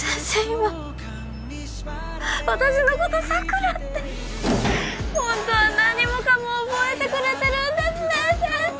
今私のこと「佐倉」ってホントは何もかも覚えてくれてるんですね先生